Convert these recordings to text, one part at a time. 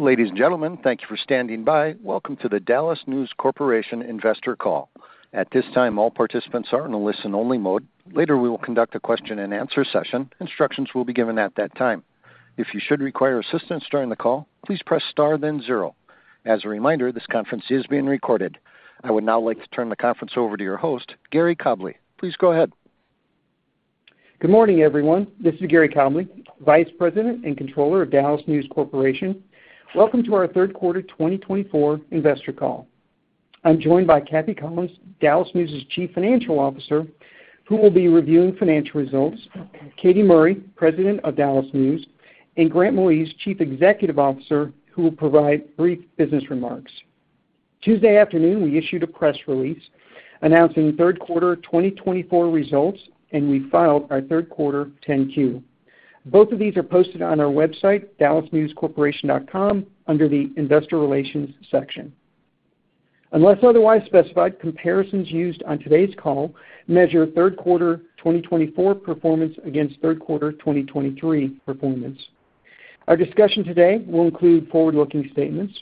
Ladies and gentlemen, thank you for standing by. Welcome to the DallasNews Corporation investor call. At this time, all participants are in a listen-only mode. Later, we will conduct a question-and-answer session. Instructions will be given at that time. If you should require assistance during the call, please press star then zero. As a reminder, this conference is being recorded. I would now like to turn the conference over to your host, Gary Cobleigh. Please go ahead. Good morning, everyone. This is Gary Cobleigh, Vice President and Controller of DallasNews Corporation. Welcome to our Q3 2024 Investor Call. I'm joined by Cathy Collins, DallasNews' Chief Financial Officer, who will be reviewing financial results, Katy Murray, President of DallasNews, and Grant Moise, Chief Executive Officer, who will provide brief business remarks. Tuesday afternoon, we issued a press release announcing Q3 2024 results, and we filed our Q3 10-Q. Both of these are posted on our website, dallasnewscorporation.com, under the investor relations section. Unless otherwise specified, comparisons used on today's call measure Q3 2024 performance against Q3 2023 performance. Our discussion today will include forward-looking statements.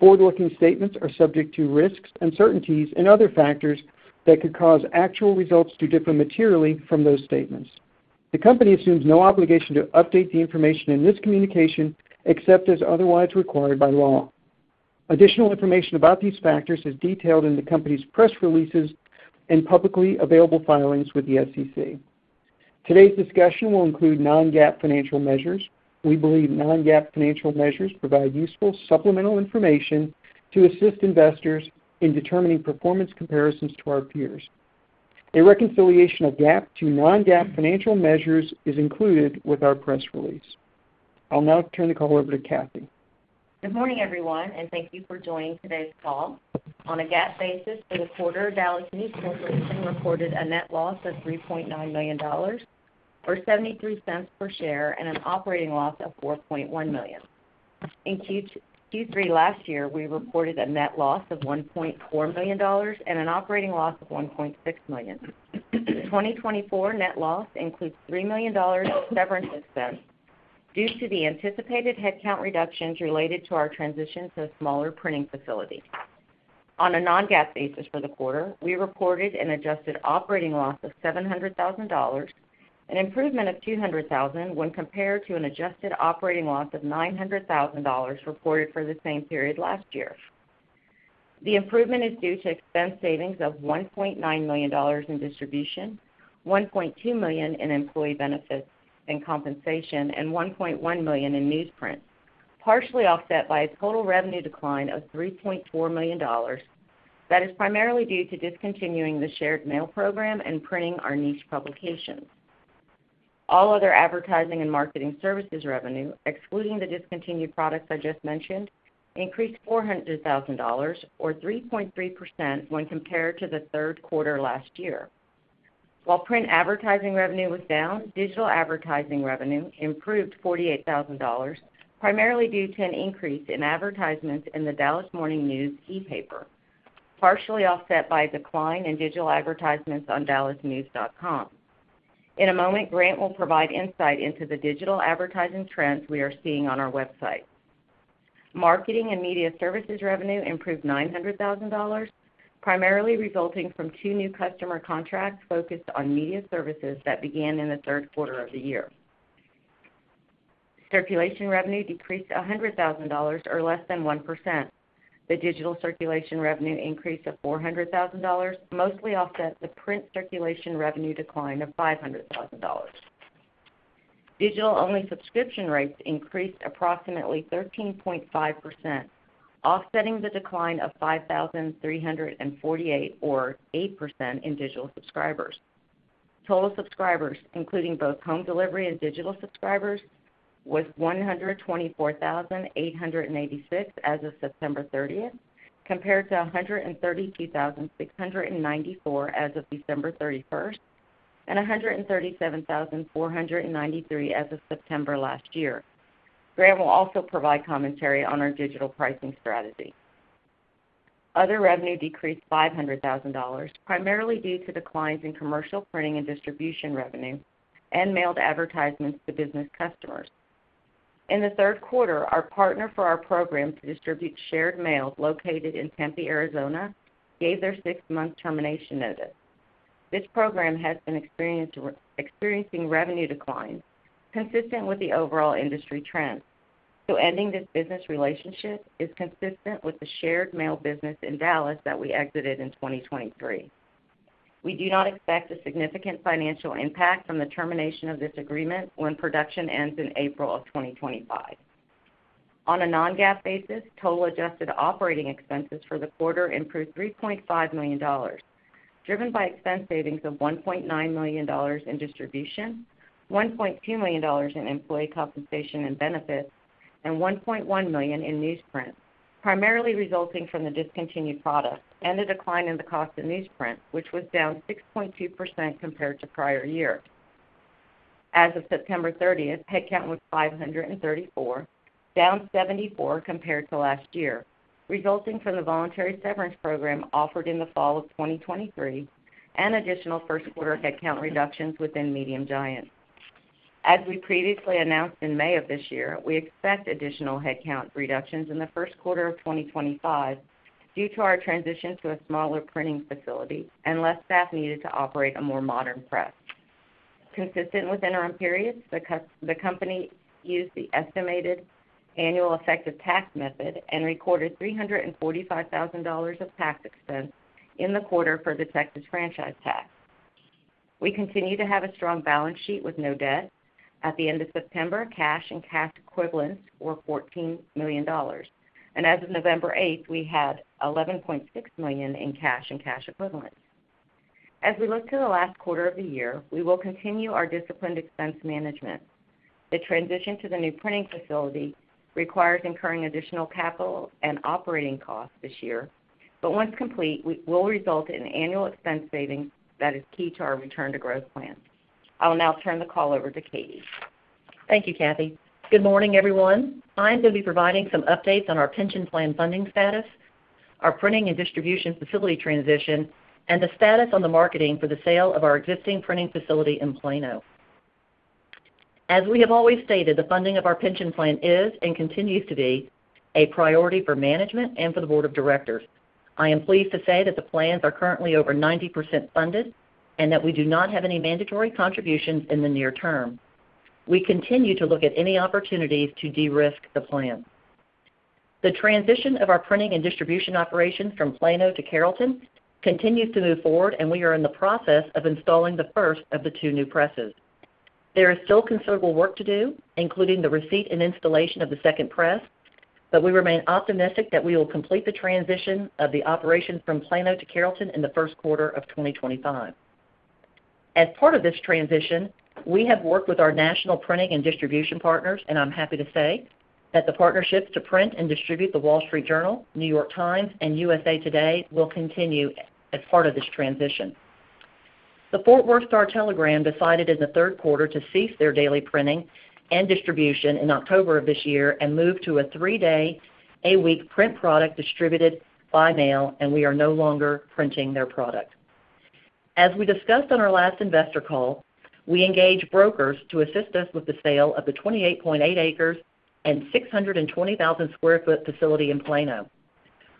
Forward-looking statements are subject to risks, uncertainties, and other factors that could cause actual results to differ materially from those statements. The company assumes no obligation to update the information in this communication except as otherwise required by law. Additional information about these factors is detailed in the company's press releases and publicly available filings with the SEC. Today's discussion will include non-GAAP financial measures. We believe non-GAAP financial measures provide useful supplemental information to assist investors in determining performance comparisons to our peers. A reconciliation of GAAP to non-GAAP financial measures is included with our press release. I'll now turn the call over to Cathy. Good morning, everyone, and thank you for joining today's call. On a GAAP basis, for the quarter, DallasNews Corporation reported a net loss of $3.9 million, or $0.73 per share, and an operating loss of $4.1 million. In Q3 last year, we reported a net loss of $1.4 million and an operating loss of $1.6 million. The 2024 net loss includes $3 million in severance expense due to the anticipated headcount reductions related to our transition to a smaller printing facility. On a non-GAAP basis for the quarter, we reported an adjusted operating loss of $700,000, an improvement of $200,000 when compared to an adjusted operating loss of $900,000 reported for the same period last year. The improvement is due to expense savings of $1.9 million in distribution, $1.2 million in employee benefits and compensation, and $1.1 million in newsprint, partially offset by a total revenue decline of $3.4 million that is primarily due to discontinuing the shared mail program and printing our niche publications. All other advertising and marketing services revenue, excluding the discontinued products I just mentioned, increased $400,000, or 3.3% when compared to the Q3 last year. While print advertising revenue was down, digital advertising revenue improved $48,000, primarily due to an increase in advertisements in the Dallas Morning News ePaper, partially offset by a decline in digital advertisements on dallasnews.com. In a moment, Grant will provide insight into the digital advertising trends we are seeing on our website. Marketing and media services revenue improved $900,000, primarily resulting from two new customer contracts focused on media services that began in the Q3 of the year. Circulation revenue decreased $100,000, or less than 1%. The digital circulation revenue increased to $400,000, mostly offset the print circulation revenue decline of $500,000. Digital-only subscription rates increased approximately 13.5%, offsetting the decline of 5,348, or 8%, in digital subscribers. Total subscribers, including both home delivery and digital subscribers, was 124,886 as of September 30th, compared to 132,694 as of December 31st, and 137,493 as of September last year. Grant will also provide commentary on our digital pricing strategy. Other revenue decreased $500,000, primarily due to declines in commercial printing and distribution revenue and mailed advertisements to business customers. In the Q3, our partner for our program to distribute shared mail located in Tempe, Arizona, gave their six-month termination notice. This program has been experiencing revenue declines consistent with the overall industry trends. So, ending this business relationship is consistent with the shared mail business in Dallas that we exited in 2023. We do not expect a significant financial impact from the termination of this agreement when production ends in April of 2025. On a Non-GAAP basis, total adjusted operating expenses for the quarter improved $3.5 million, driven by expense savings of $1.9 million in distribution, $1.2 million in employee compensation and benefits, and $1.1 million in newsprint, primarily resulting from the discontinued products and a decline in the cost of newsprint, which was down 6.2% compared to prior year. As of September 30th, headcount was 534, down 74 compared to last year, resulting from the voluntary severance program offered in the fall of 2023 and additional Q1 headcount reductions within Medium Giant. As we previously announced in May of this year, we expect additional headcount reductions in the Q1 of 2025 due to our transition to a smaller printing facility and less staff needed to operate a more modern press. Consistent with interim periods, the company used the estimated annual effective tax method and recorded $345,000 of tax expense in the quarter for the Texas franchise tax. We continue to have a strong balance sheet with no debt. At the end of September, cash and cash equivalents were $14 million, and as of November 8, we had $11.6 million in cash and cash equivalents. As we look to the last quarter of the year, we will continue our disciplined expense management. The transition to the new printing facility requires incurring additional capital and operating costs this year, but once complete, it will result in annual expense savings that is key to our return-to-growth plan. I'll now turn the call over to Katy. Thank you, Cathy. Good morning, everyone. I'm going to be providing some updates on our pension plan funding status, our printing and distribution facility transition, and the status on the marketing for the sale of our existing printing facility in Plano. As we have always stated, the funding of our pension plan is and continues to be a priority for management and for the board of directors. I am pleased to say that the plans are currently over 90% funded and that we do not have any mandatory contributions in the near term. We continue to look at any opportunities to de-risk the plan. The transition of our printing and distribution operations from Plano to Carrollton continues to move forward, and we are in the process of installing the first of the two new presses. There is still considerable work to do, including the receipt and installation of the second press, but we remain optimistic that we will complete the transition of the operations from Plano to Carrollton in the Q1 of 2025. As part of this transition, we have worked with our national printing and distribution partners, and I'm happy to say that the partnerships to print and distribute The Wall Street Journal, New York Times, and USA Today will continue as part of this transition. The Fort Worth Star-Telegram decided in the Q3 to cease their daily printing and distribution in October of this year and move to a three-day-a-week print product distributed by mail, and we are no longer printing their product. As we discussed on our last investor call, we engaged brokers to assist us with the sale of the 28.8 acres and 620,000 sq ft facility in Plano.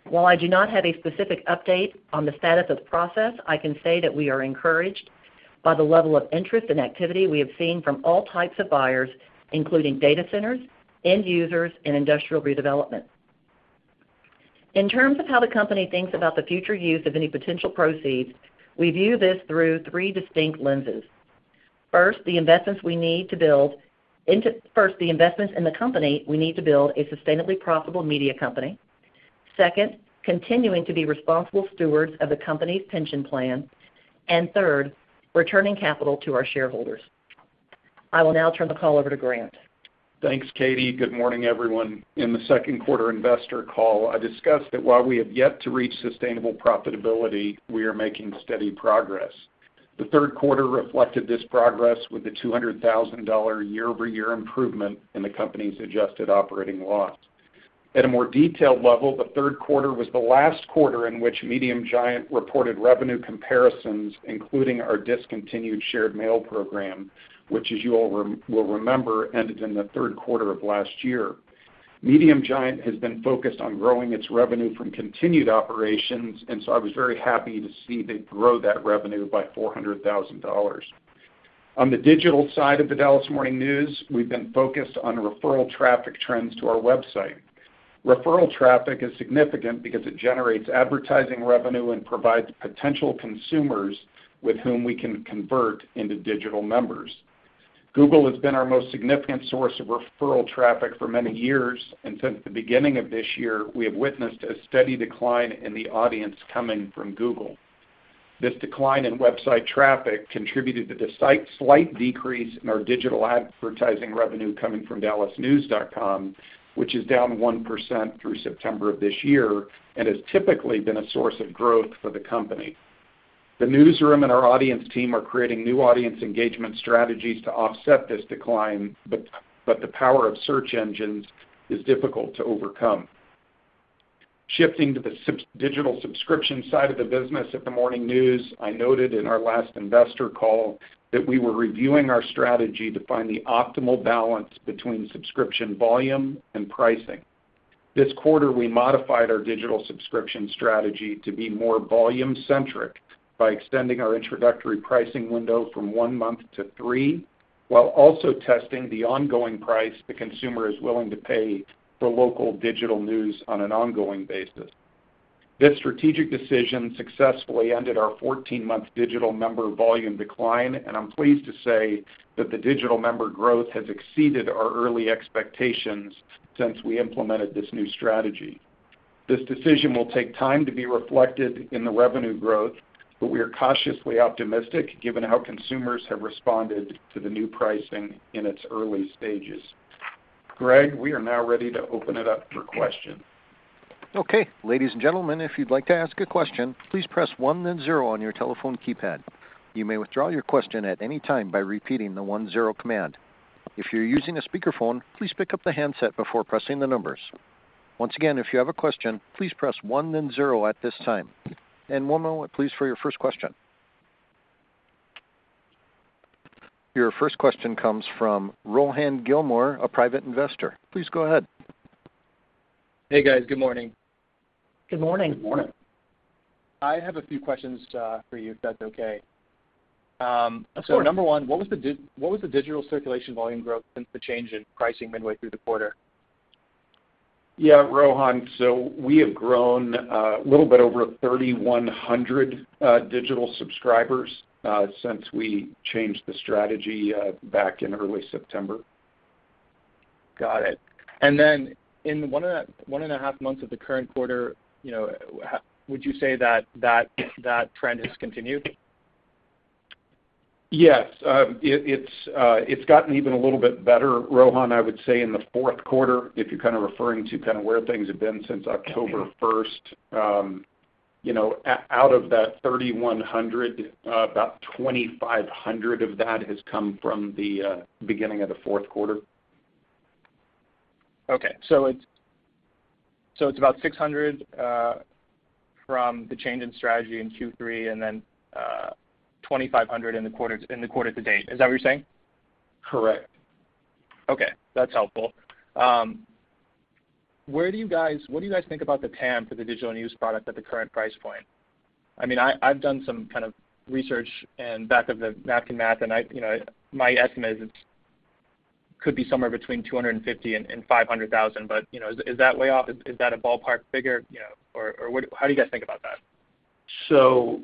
While I do not have a specific update on the status of the process, I can say that we are encouraged by the level of interest and activity we have seen from all types of buyers, including data centers, end users, and industrial redevelopment. In terms of how the company thinks about the future use of any potential proceeds, we view this through three distinct lenses. First, the investments in the company we need to build a sustainably profitable media company. Second, continuing to be responsible stewards of the company's pension plan. and third, returning capital to our shareholders. I will now turn the call over to Grant. Thanks, Katy. Good morning, everyone. In the Q2 investor call, I discussed that while we have yet to reach sustainable profitability, we are making steady progress. The Q3 reflected this progress with a $200,000 year-over-year improvement in the company's adjusted operating loss. At a more detailed level, the Q3 was the last quarter in which Medium Giant reported revenue comparisons, including our discontinued shared mail program, which, as you will remember, ended in the Q3 of last year. Medium Giant has been focused on growing its revenue from continued operations, and so I was very happy to see they grow that revenue by $400,000. On the digital side of the Dallas Morning News, we've been focused on referral traffic trends to our website. Referral traffic is significant because it generates advertising revenue and provides potential consumers with whom we can convert into digital members. Google has been our most significant source of referral traffic for many years, and since the beginning of this year, we have witnessed a steady decline in the audience coming from Google. This decline in website traffic contributed to the slight decrease in our digital advertising revenue coming from dallasnews.com, which is down 1% through September of this year and has typically been a source of growth for the company. The newsroom and our audience team are creating new audience engagement strategies to offset this decline, but the power of search engines is difficult to overcome. Shifting to the digital subscription side of the business at The Dallas Morning News, I noted in our last investor call that we were reviewing our strategy to find the optimal balance between subscription volume and pricing. This quarter, we modified our digital subscription strategy to be more volume-centric by extending our introductory pricing window from one month to three, while also testing the ongoing price the consumer is willing to pay for local digital news on an ongoing basis. This strategic decision successfully ended our 14-month digital member volume decline, and I'm pleased to say that the digital member growth has exceeded our early expectations since we implemented this new strategy. This decision will take time to be reflected in the revenue growth, but we are cautiously optimistic given how consumers have responded to the new pricing in its early stages. Greg, we are now ready to open it up for questions. Okay. Ladies and gentlemen, if you'd like to ask a question, please press one then zero on your telephone keypad. You may withdraw your question at any time by repeating the one-zero command. If you're using a speakerphone, please pick up the handset before pressing the numbers. Once again, if you have a question, please press one then zero at this time. And one moment, please, for your first question. Your first question comes from Rohan Gilmore, a private investor. Please go ahead. Hey, guys. Good morning. Good morning. Good morning. I have a few questions for you, if that's okay. Of course. Number one, what was the digital circulation volume growth since the change in pricing midway through the quarter? Yeah, Rohan. So we have grown a little bit over 3,100 digital subscribers since we changed the strategy back in early September. Got it and then in the one and a half months of the current quarter, would you say that that trend has continued? Yes. It's gotten even a little bit better, Rohan, I would say, in the Q4, if you're kind of referring to kind of where things have been since October 1st. Out of that 3,100, about 2,500 of that has come from the beginning of the Q4. Okay. So it's about 600 from the change in strategy in Q3 and then 2,500 in the quarter to date. Is that what you're saying? Correct. Okay. That's helpful. What do you guys think about the TAM for the digital news product at the current price point? I mean, I've done some kind of research and back of the napkin math, and my estimate is it could be somewhere between 250 and 500,000. But is that way off? Is that a ballpark figure? Or how do you guys think about that? So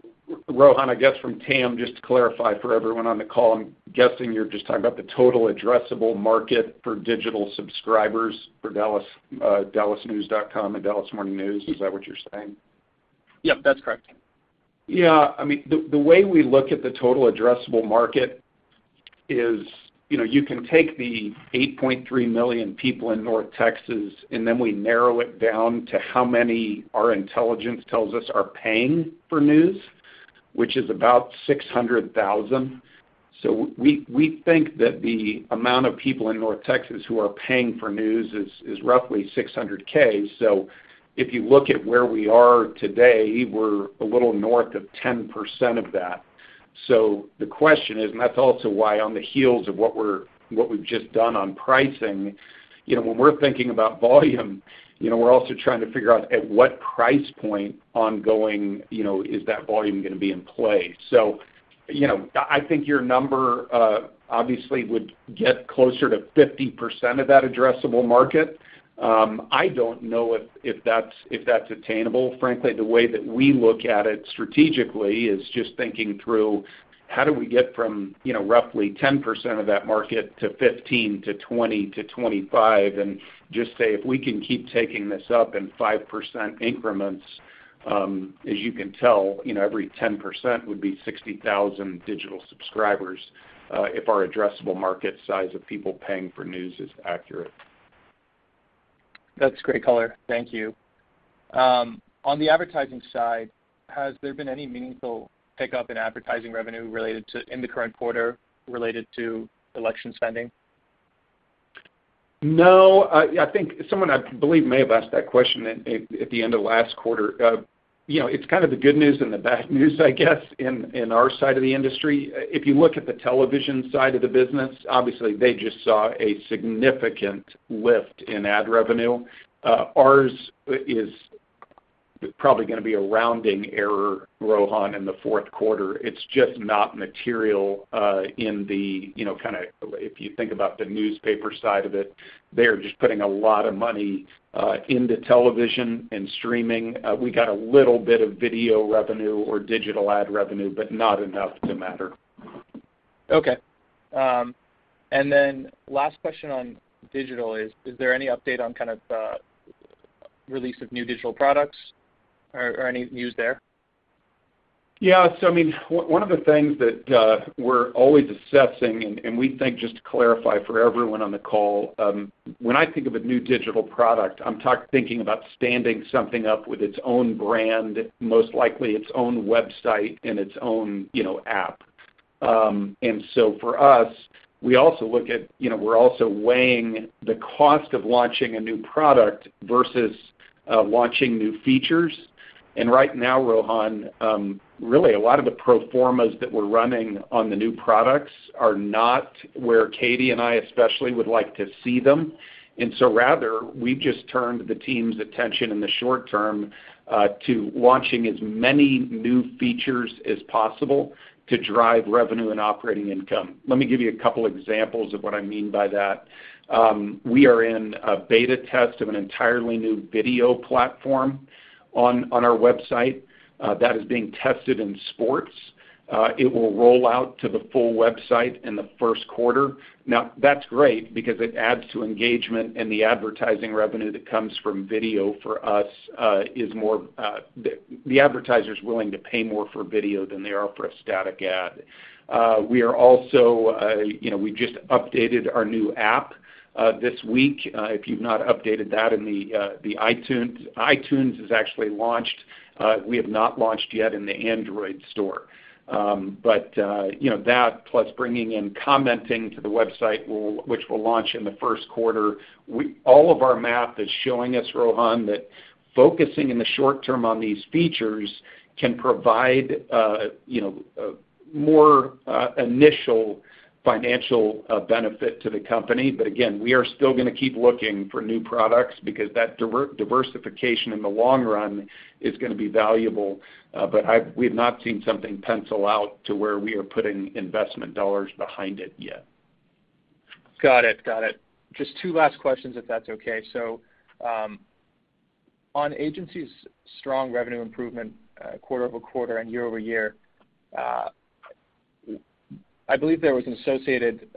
Rohan, I guess from TAM, just to clarify for everyone on the call, I'm guessing you're just talking about the total addressable market for digital subscribers for dallasnews.com and Dallas Morning News. Is that what you're saying? Yep, that's correct. Yeah. I mean, the way we look at the total addressable market is you can take the 8.3 million people in North Texas, and then we narrow it down to how many our intelligence tells us are paying for news, which is about 600,000. So we think that the amount of people in North Texas who are paying for news is roughly 600K. So if you look at where we are today, we're a little north of 10% of that. So the question is, and that's also why on the heels of what we've just done on pricing, when we're thinking about volume, we're also trying to figure out at what price point ongoing is that volume going to be in play. So I think your number obviously would get closer to 50% of that addressable market. I don't know if that's attainable. Frankly, the way that we look at it strategically is just thinking through how do we get from roughly 10% of that market to 15% to 20% to 25% and just say, "If we can keep taking this up in 5% increments," as you can tell, in every 10% would be 60,000 digital subscribers if our addressable market size of people paying for news is accurate. That's great color. Thank you. On the advertising side, has there been any meaningful pickup in advertising revenue in the current quarter related to election spending? No. I think someone I believe may have asked that question at the end of last quarter. It's kind of the good news and the bad news, I guess, in our side of the industry. If you look at the television side of the business, obviously, they just saw a significant lift in ad revenue. Ours is probably going to be a rounding error, Rohan, in the Q4. It's just not material in the kind of if you think about the newspaper side of it, they are just putting a lot of money into television and streaming. We got a little bit of video revenue or digital ad revenue, but not enough to matter. Okay, and then last question on digital, is there any update on kind of the release of new digital products or any news there? Yeah. So I mean, one of the things that we're always assessing, and we think just to clarify for everyone on the call, when I think of a new digital product, I'm thinking about standing something up with its own brand, most likely its own website and its own app. And so for us, we also look at. We're also weighing the cost of launching a new product versus launching new features. And right now, Rohan, really a lot of the pro formas that we're running on the new products are not where Katy and I especially would like to see them. And so rather, we've just turned the team's attention in the short term to launching as many new features as possible to drive revenue and operating income. Let me give you a couple of examples of what I mean by that. We are in a beta test of an entirely new video platform on our website that is being tested in sports. It will roll out to the full website in the Q1. Now, that's great because it adds to engagement, and the advertising revenue that comes from video for us is more; the advertiser is willing to pay more for video than they are for a static ad. We are also; we just updated our new app this week. If you've not updated that in the iTunes has actually launched. We have not launched yet in the Android store. But that, plus bringing in commenting to the website, which will launch in the Q1, all of our math is showing us, Rohan, that focusing in the short term on these features can provide more initial financial benefit to the company. But again, we are still going to keep looking for new products because that diversification in the long run is going to be valuable. But we have not seen something pencil out to where we are putting investment dollars behind it yet. Got it. Got it. Just two last questions, if that's okay. So on agencies' strong revenue improvement quarter-over-quarter and year-over-year, I believe there was an associated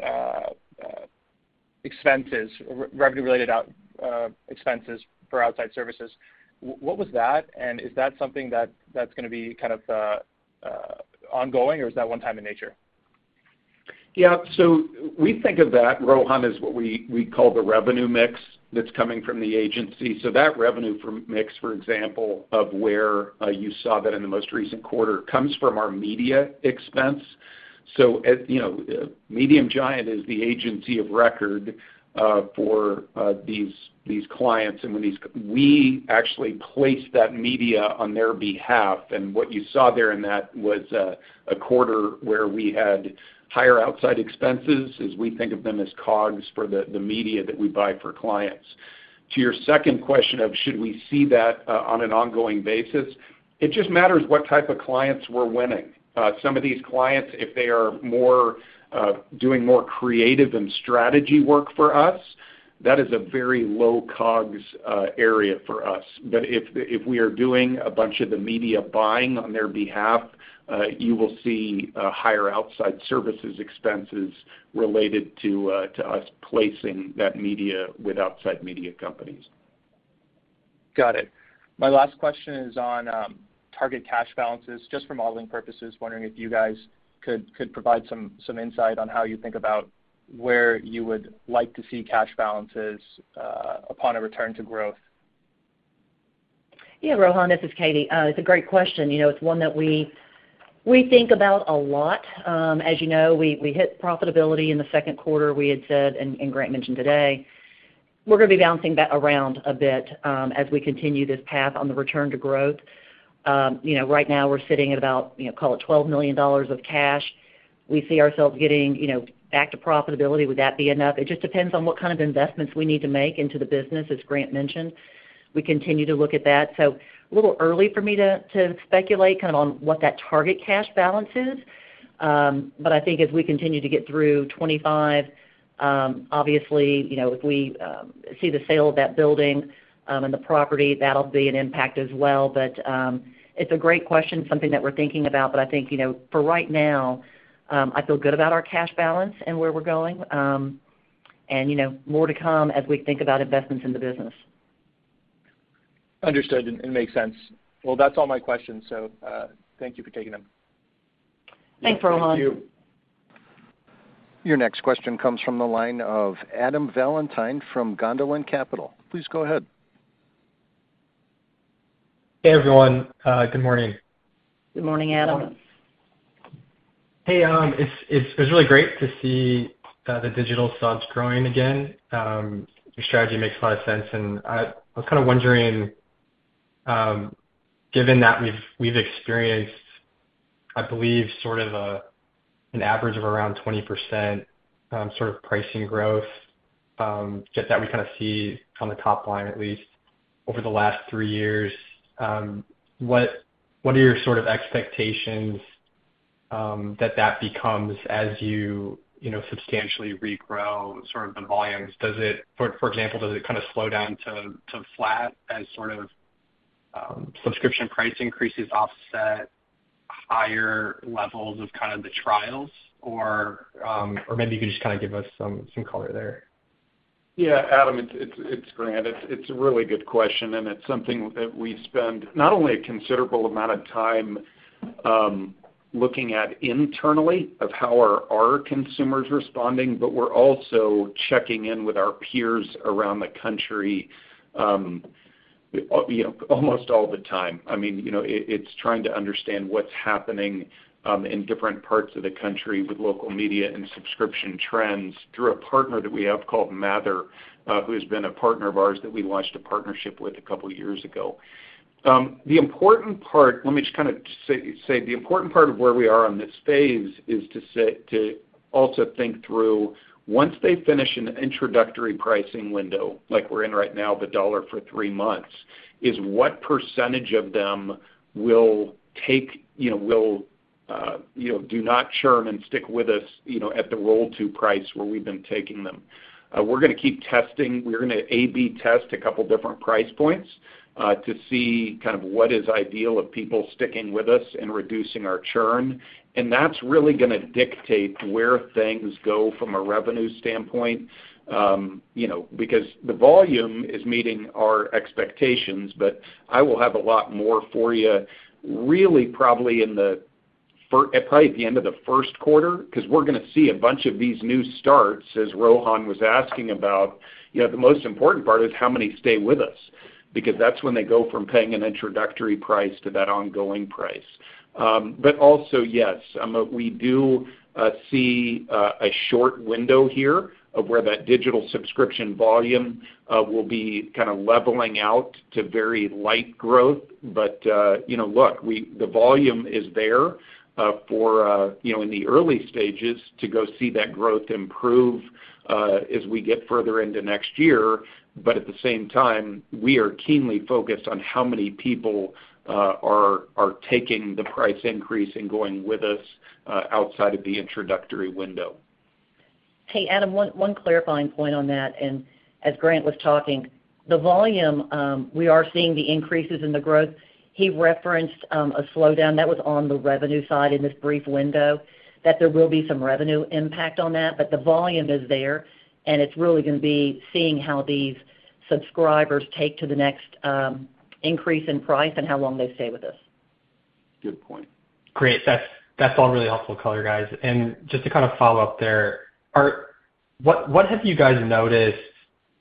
expenses, revenue-related expenses for outside services. What was that? And is that something that's going to be kind of ongoing, or is that one-time in nature? Yeah. So we think of that, Rohan, as what we call the revenue mix that's coming from the agency. So that revenue mix, for example, of where you saw that in the most recent quarter, comes from our media expense. So Medium Giant is the agency of record for these clients. And we actually placed that media on their behalf. And what you saw there in that was a quarter where we had higher outside expenses as we think of them as cogs for the media that we buy for clients. To your second question of should we see that on an ongoing basis, it just matters what type of clients we're winning. Some of these clients, if they are doing more creative and strategy work for us, that is a very low cogs area for us. But if we are doing a bunch of the media buying on their behalf, you will see higher outside services expenses related to us placing that media with outside media companies. Got it. My last question is on target cash balances. Just for modeling purposes, wondering if you guys could provide some insight on how you think about where you would like to see cash balances upon a return to growth. Yeah, Rohan, this is Katy. It's a great question. It's one that we think about a lot. As you know, we hit profitability in the Q2, we had said, and Grant mentioned today. We're going to be bouncing that around a bit as we continue this path on the return to growth. Right now, we're sitting at about, call it $12 million of cash. We see ourselves getting back to profitability. Would that be enough? It just depends on what kind of investments we need to make into the business, as Grant mentioned. We continue to look at that. So a little early for me to speculate kind of on what that target cash balance is. But I think as we continue to get through 2025, obviously, if we see the sale of that building and the property, that'll be an impact as well. But it's a great question, something that we're thinking about. But I think for right now, I feel good about our cash balance and where we're going. And more to come as we think about investments in the business. Understood. It makes sense. Well, that's all my questions. So thank you for taking them. Thanks, Rohan. Thank you. Your next question comes from the line of Adam Ballantyne from Gondolin Capital. Please go ahead. Hey, everyone. Good morning. Good morning, Adam. Hey, it's really great to see the digital subs growing again. Your strategy makes a lot of sense. And I was kind of wondering, given that we've experienced, I believe, sort of an average of around 20% sort of pricing growth, just that we kind of see on the top line at least over the last three years, what are your sort of expectations that that becomes as you substantially regrow sort of the volumes? For example, does it kind of slow down to flat as sort of subscription price increases offset higher levels of kind of the trials? Or maybe you could just kind of give us some color there. Yeah, Adam, it's Grant. It's a really good question. And it's something that we spend not only a considerable amount of time looking at internally of how are our consumers responding, but we're also checking in with our peers around the country almost all the time. I mean, it's trying to understand what's happening in different parts of the country with local media and subscription trends through a partner that we have called Mather, who has been a partner of ours that we launched a partnership with a couple of years ago. The important part, let me just kind of say, the important part of where we are on this phase is to also think through, once they finish an introductory pricing window like we're in right now, $1 for three months, is what percentage of them will take, will do not churn and stick with us at the roll-to price where we've been taking them. We're going to keep testing. We're going to A/B test a couple of different price points to see kind of what is ideal of people sticking with us and reducing our churn. That's really going to dictate where things go from a revenue standpoint because the volume is meeting our expectations. But I will have a lot more for you really probably at the end of the Q1 because we're going to see a bunch of these new starts, as Rohan was asking about. The most important part is how many stay with us because that's when they go from paying an introductory price to that ongoing price. But also, yes, we do see a short window here of where that digital subscription volume will be kind of leveling out to very light growth. But look, the volume is there for in the early stages to go see that growth improve as we get further into next year. But at the same time, we are keenly focused on how many people are taking the price increase and going with us outside of the introductory window. Hey, Adam, one clarifying point on that. And as Grant was talking, the volume, we are seeing the increases in the growth. He referenced a slowdown that was on the revenue side in this brief window, that there will be some revenue impact on that. But the volume is there. And it's really going to be seeing how these subscribers take to the next increase in price and how long they stay with us. Good point. Great. That's all really helpful color, guys. And just to kind of follow up there, what have you guys noticed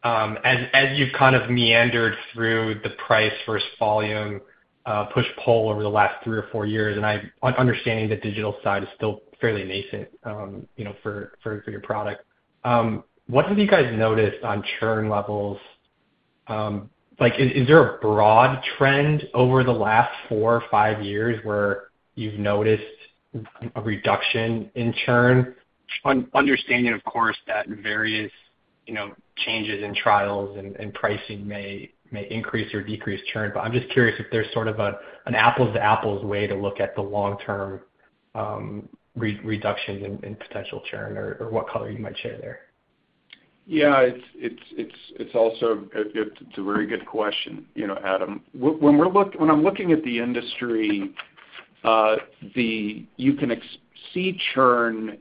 as you've kind of meandered through the price versus volume push-pull over the last three or four years? And I'm understanding the digital side is still fairly nascent for your product. What have you guys noticed on churn levels? Is there a broad trend over the last four or five years where you've noticed a reduction in churn? Understanding, of course, that various changes in trials and pricing may increase or decrease churn. But I'm just curious if there's sort of an apples-to-apples way to look at the long-term reductions in potential churn or what color you might share there? Yeah. It's also a very good question, Adam. When I'm looking at the industry, you can see churn.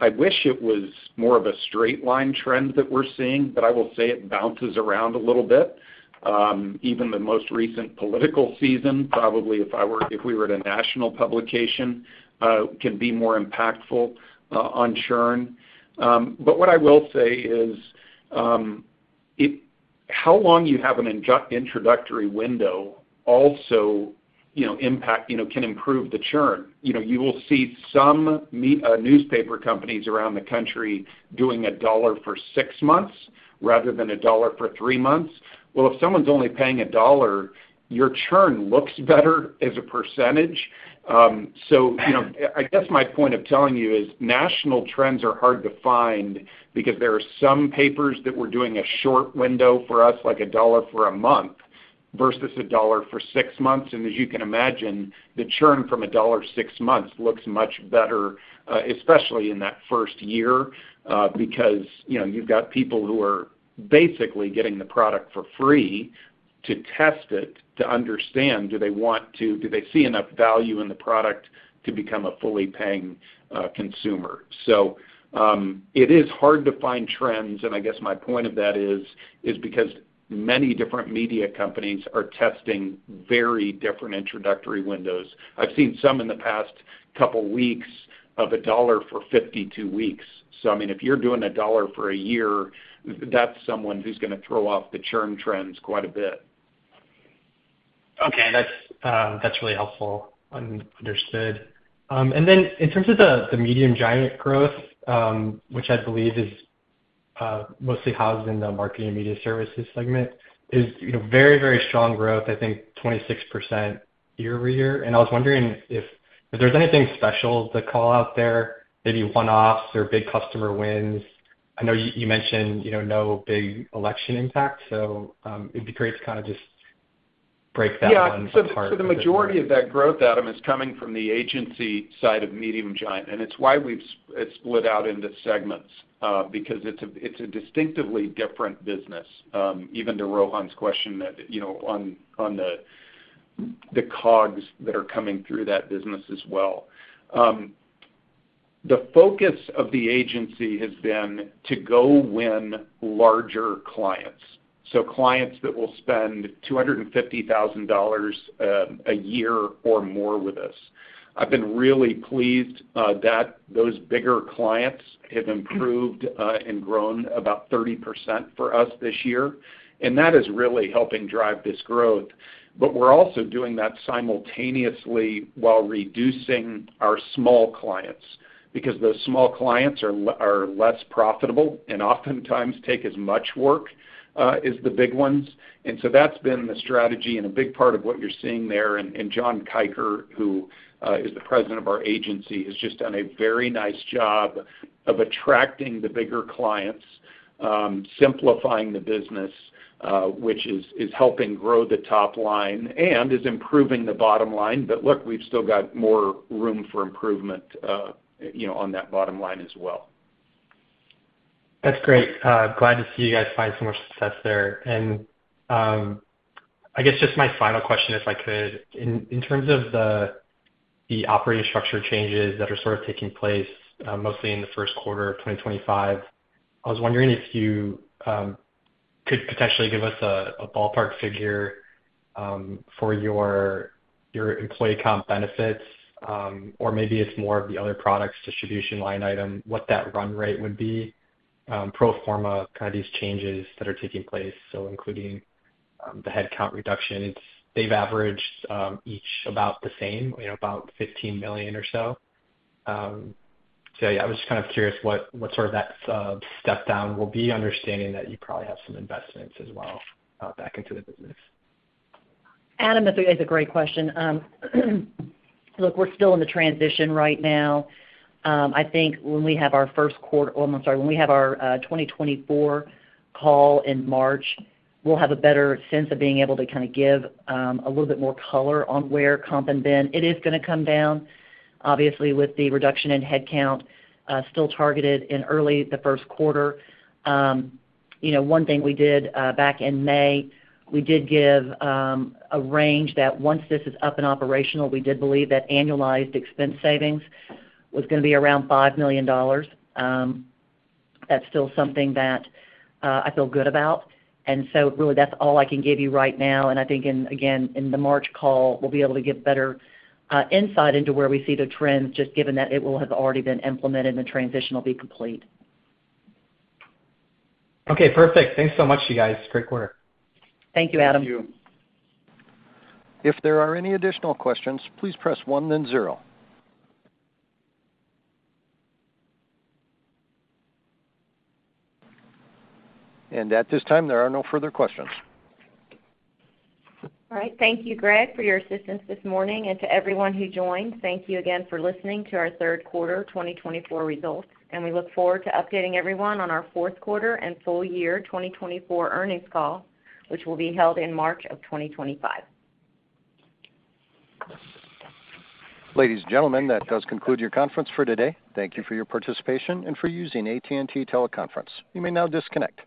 I wish it was more of a straight-line trend that we're seeing, but I will say it bounces around a little bit. Even the most recent political season, probably if we were at a national publication, can be more impactful on churn. But what I will say is how long you have an introductory window also can improve the churn. You will see some newspaper companies around the country doing $1 for six months rather than $1 for three months. Well, if someone's only paying $1, your churn looks better as a percentage. I guess my point of telling you is national trends are hard to find because there are some papers that were doing a short window for us, like $1 for a month versus $1 for six months. And as you can imagine, the churn from a $1 six months looks much better, especially in that first year because you've got people who are basically getting the product for free to test it to understand, do they want to, do they see enough value in the product to become a fully-paying consumer? It is hard to find trends. And I guess my point of that is because many different media companies are testing very different introductory windows. I've seen some in the past couple of weeks of $1 for 52 weeks. I mean, if you're doing $1 for a year, that's someone who's going to throw off the churn trends quite a bit. Okay. That's really helpful. Understood. And then in terms of the Medium Giant growth, which I believe is mostly housed in the marketing and media services segment, is very, very strong growth, I think 26% year-over-year. And I was wondering if there's anything special to call out there, maybe one-offs or big customer wins. I know you mentioned no big election impact. So it'd be great to kind of just break that down into parts. Yeah. So the majority of that growth, Adam, is coming from the agency side of Medium Giant, and it's why we've split out into segments because it's a distinctively different business, even to Rohan's question on the COGS that are coming through that business as well. The focus of the agency has been to go win larger clients, so clients that will spend $250,000 a year or more with us. I've been really pleased that those bigger clients have improved and grown about 30% for us this year, and that is really helping drive this growth, but we're also doing that simultaneously while reducing our small clients because those small clients are less profitable and oftentimes take as much work as the big ones, and so that's been the strategy. And a big part of what you're seeing there, and John Kiker, who is the President of our agency, has just done a very nice job of attracting the bigger clients, simplifying the business, which is helping grow the top line and is improving the bottom line. But look, we've still got more room for improvement on that bottom line as well. That's great. Glad to see you guys find some more success there. And I guess just my final question, if I could, in terms of the operating structure changes that are sort of taking place mostly in the Q1 of 2025. I was wondering if you could potentially give us a ballpark figure for your employee comp benefits, or maybe it's more of the other products distribution line item, what that run rate would be pro forma of kind of these changes that are taking place, so including the headcount reduction. They've averaged each about the same, about $15 million or so. So yeah, I was just kind of curious what sort of that step down will be, understanding that you probably have some investments as well back into the business. Adam, that's a great question. Look, we're still in the transition right now. I think when we have our Q1 well, I'm sorry, when we have our 2024 call in March, we'll have a better sense of being able to kind of give a little bit more color on where comp had been. It is going to come down, obviously, with the reduction in headcount still targeted in early the Q1. One thing we did back in May, we did give a range that once this is up and operational, we did believe that annualized expense savings was going to be around $5 million. That's still something that I feel good about, and so really, that's all I can give you right now. I think, again, in the March call, we'll be able to give better insight into where we see the trends, just given that it will have already been implemented and the transition will be complete. Okay. Perfect. Thanks so much, you guys. Great quarter. Thank you, Adam. Thank you. If there are any additional questions, please press one, then zero. And at this time, there are no further questions. All right. Thank you, Greg, for your assistance this morning. And to everyone who joined, thank you again for listening to our Q3 2024 results. And we look forward to updating everyone on our Q4 and full year 2024 earnings call, which will be held in March of 2025. Ladies and gentlemen, that does conclude your conference for today. Thank you for your participation and for using AT&T Teleconference. You may now disconnect.